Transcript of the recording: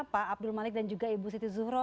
pak abdul malik dan juga ibu siti zuhroh